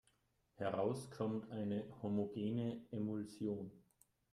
Heraus kommt eine homogene Emulsion.